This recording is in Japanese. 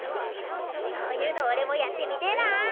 そういうのおれもやってみてえな。